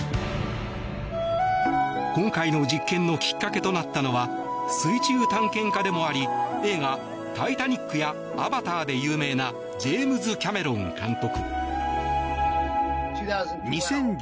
今回の実験のきっかけとなったのは水中探検家でもあり映画「タイタニック」や「アバター」で有名なジェームズ・キャメロン監督。